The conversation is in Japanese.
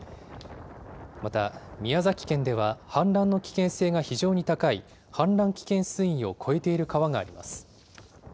また、宮崎県では、氾濫の危険性が非常に高い氾濫危険水位を超えている川があります。